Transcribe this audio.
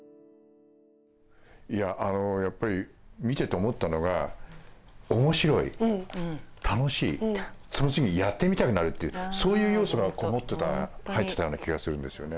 いややっぱり見てて思ったのが面白い楽しいその次にやってみたくなるっていうそういう要素がこもってた入ってたような気がするんですよね。